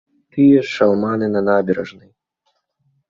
Тыя ж шалманы на набярэжнай.